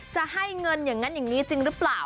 จะให้เงินอย่างนั้นอย่างนี้จริงหรือเปล่า